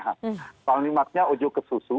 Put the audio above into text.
kepalimatnya ojo ke susu